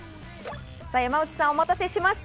山内さん、お待たせしました。